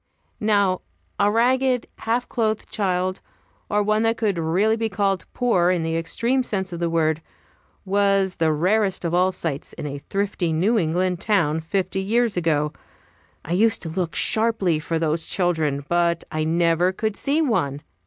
Now a ragged, half clothed child, or one that could really be called poor, in the extreme sense of the word, was the rarest of all sights in a thrifty New England town fifty years ago. I used to look sharply for those children, but I never could see one.